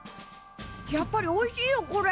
やっぱりおいしいよこれ。